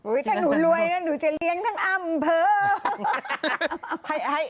ถ้าหนูรวยนะหนูจะเรียนทั้งอำเภอ